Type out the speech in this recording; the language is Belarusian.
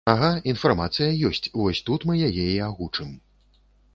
Ага, інфармацыя ёсць, вось тут мы яе і агучым.